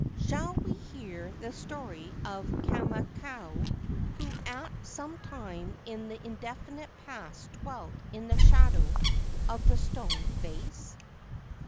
Shall we hear the story of Kamakau, who at some time in the indefinite past dwelt in the shadow of the stone face?